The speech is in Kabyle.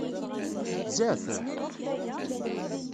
Tzeɛfem?